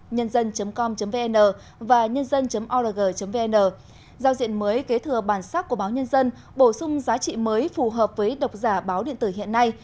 nhândân com vn và nhândân org vn giao diện mới kế thừa bản sắc của báo nhân dân bổ sung giá trị mới phù hợp với độc giả báo điện tử hiện nay